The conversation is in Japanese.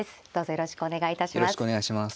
よろしくお願いします。